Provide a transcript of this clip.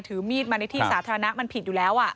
ถือมีดมาในที่สาธารณะมันผิดอยู่แล้ว